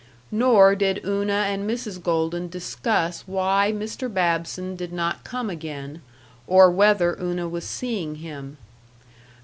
Nor did Una and Mrs. Golden discuss why Mr. Babson did not come again, or whether Una was seeing him.